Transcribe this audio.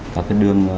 các cái đường